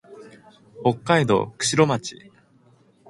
北海道釧路町